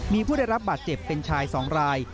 มีผู้ได้รับบาดเจ็บเป็นชาย๒ราย